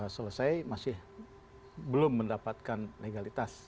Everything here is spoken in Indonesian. selesai masih belum mendapatkan legalitas